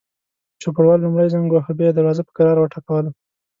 چوپړوال لومړی زنګ وواهه، بیا یې دروازه په کراره وټکوله.